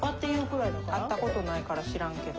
会った事ないから知らんけど。